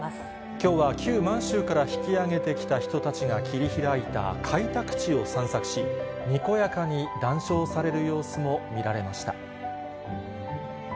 きょうは旧満州から引き揚げてきた人たちが切り開いた開拓地を散策し、にこやかに談笑される様子も見られました。